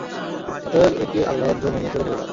অতএব, একে আল্লাহর যমীনে চরে খেতে দাও।